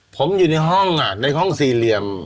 ผมอยู่ในห้องในห้องสี่เหลี่ยม